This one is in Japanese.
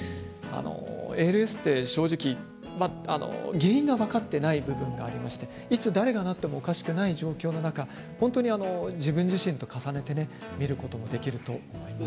ＡＬＳって正直、原因が分かっていない部分がありましていつ誰がなってもおかしくない状況の中、本当に自分自身と重ねて見ることもできると思います。